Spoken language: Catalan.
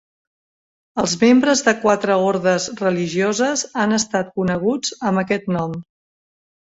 Els membres de quatre ordes religioses han estat coneguts amb aquest nom.